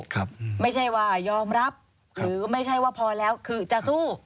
ครับไม่ใช่ว่ายอมรับหรือไม่ใช่ว่าพอแล้วคือจะสู้